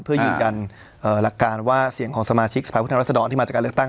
เพื่อยืนยันหลักการว่าเสียงของสมาชิกสภาพุทธรัศดรที่มาจากการเลือกตั้ง